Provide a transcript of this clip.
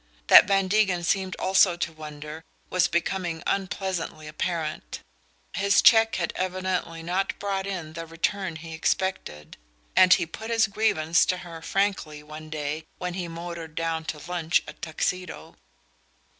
That Van Degen seemed also to wonder was becoming unpleasantly apparent: his cheque had evidently not brought in the return he expected, and he put his grievance to her frankly one day when he motored down to lunch at Tuxedo.